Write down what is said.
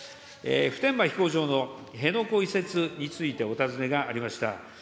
普天間飛行場の辺野古移設についてお尋ねがありました。